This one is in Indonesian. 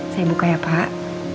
saya buka ya pak